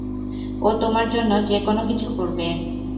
ও তোমার জন্য যে-কোনোকিছু করবে।